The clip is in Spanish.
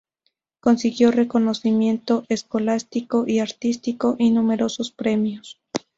Consiguió reconocimiento escolástico y artístico, y numerosos premios.